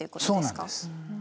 そうなんです。